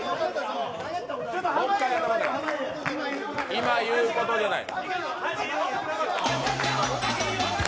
今、言うことじゃない。